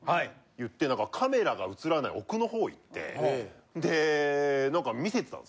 言ってカメラが映らない奥のほう行ってで何か見せてたんですよ。